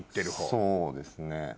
そうですね。